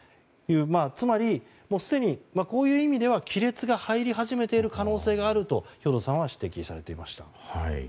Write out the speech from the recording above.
つまりすでに、こういう意味では亀裂が入り始めている可能性があると兵頭さんは指摘されていました。